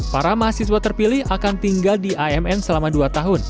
para mahasiswa terpilih akan tinggal di amn selama dua tahun